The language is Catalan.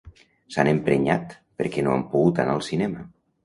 S'han emprenyat perquè no han pogut anar al cinema.